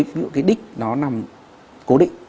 ví dụ cái đích nó nằm cố định